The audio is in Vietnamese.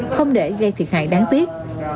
không để gây thiệt hại đáng tiếc